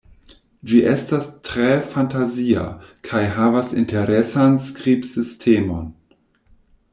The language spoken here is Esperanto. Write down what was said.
Ĝi estas tre fantazia kaj havas interesan skribsistemon.